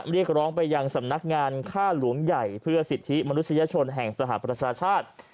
เรียกร้องไปยังสำนักงานฆ่าหลวงใหญ่เพื่อสิทธิมนุษยชนแห่งสหประชาชาติ